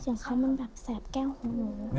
เสียงเขามันแบบแสบแก้งหูหนู